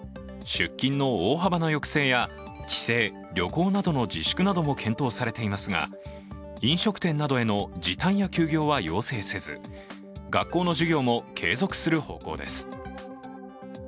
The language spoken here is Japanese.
出勤の大幅や抑制や規制、旅行などの自粛なども検討されていますが、飲食店などへの時短や休業は要請せず学校の授業も継続する方向です。